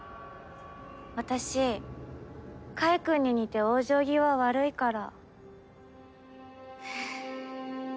私海君に似て往生際悪いから。